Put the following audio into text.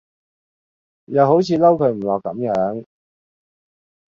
又好似嬲佢唔落咁樣